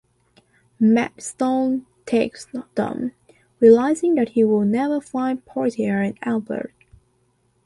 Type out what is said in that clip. Maddstone takes them, realizing that he will never find Portia and Albert.